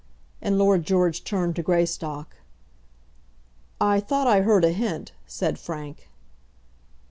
and Lord George turned to Greystock. "I thought I heard a hint," said Frank.